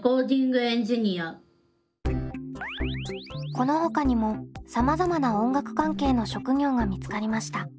このほかにもさまざまな音楽関係の職業が見つかりました。